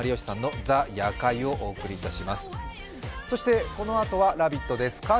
そしてこのあとは「ラヴィット！」です。